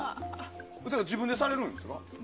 自分でされるんですか？